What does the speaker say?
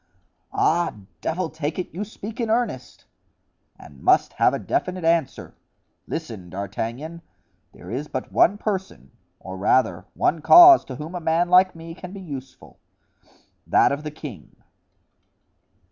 "Ah, devil take it, you speak in earnest——" "And must have a definite answer. Listen, D'Artagnan. There is but one person, or rather, one cause, to whom a man like me can be useful—that of the king."